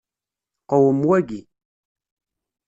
Qwem waki.